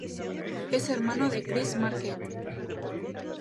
Es hermano de Chris Marquette.